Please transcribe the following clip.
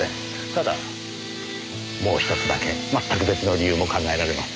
ただもう１つだけまったく別の理由も考えられます。